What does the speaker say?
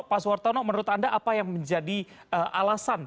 pak soeharto ngo menurut anda apa yang menjadi alasan